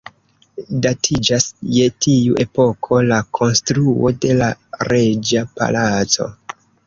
Datiĝas je tiu epoko la konstruo de la “reĝa Palaco”.